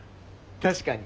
確かに。